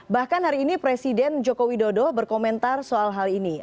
bahkan hari ini presiden joko widodo berkomentar soal hal ini